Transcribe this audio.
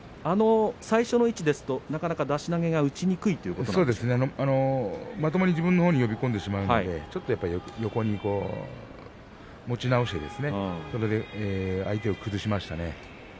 最初の位置ですとなかなか出し投げがまともに自分のほうに呼び込んでしまいますので横に持ち直して相手を崩しましたね。